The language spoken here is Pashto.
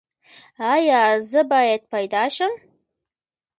ایا زه باید پیدا شم؟